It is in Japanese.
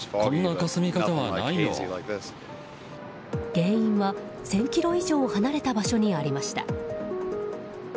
原因は、１０００ｋｍ以上離れた場所にありました。